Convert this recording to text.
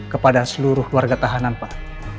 kepada seluruh keluarga tahanan pak